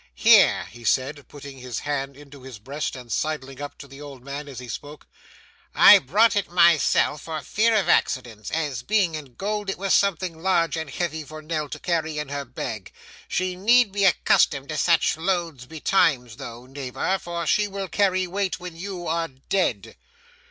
'Here,' he said, putting his hand into his breast and sidling up to the old man as he spoke; 'I brought it myself for fear of accidents, as, being in gold, it was something large and heavy for Nell to carry in her bag. She need be accustomed to such loads betimes though, neighbor, for she will carry weight when you are dead.